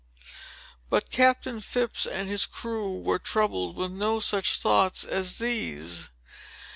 But Captain Phips and his crew were troubled with no such thoughts as these.